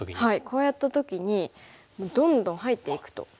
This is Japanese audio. こうやった時にどんどん入っていくとどうすれば？